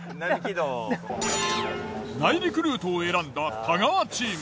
内陸ルートを選んだ太川チーム。